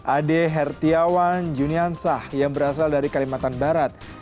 ade hertiawan juniansah yang berasal dari kalimantan barat